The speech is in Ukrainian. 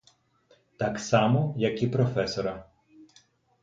Так само, як і професора.